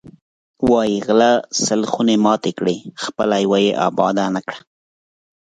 وایی غله سل خونې ماتې کړې، خپله یوه یې اباده نه کړه.